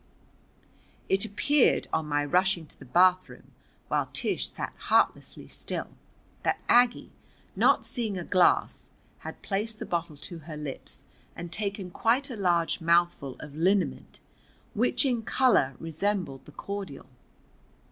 It appeared, on my rushing to the bathroom, while Tish sat heartlessly still, that Aggie, not seeing a glass, had placed the bottle to her lips and taken quite a large mouthful of liniment, which in color resembled the cordial.